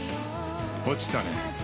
◆落ちたね。